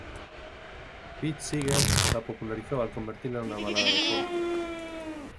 Pete Seeger la popularizó al convertirla en una balada de folk.